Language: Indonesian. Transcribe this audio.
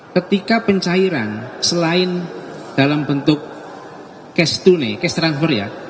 ketika pencairan selain dalam bentuk cash to ne cash transfer ya